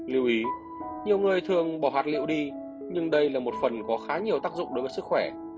lưu ý nhiều người thường bỏ hạt liệu đi nhưng đây là một phần có khá nhiều tác dụng đối với sức khỏe